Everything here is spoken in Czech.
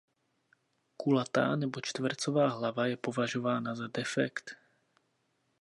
Kulatá nebo čtvercová hlava je považována za defekt.